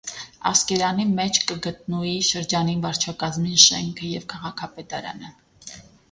Ասկերանի մէջ կը գտնուի շրջանին վարչակազմին շէնքը եւ քաղաքապետարանը։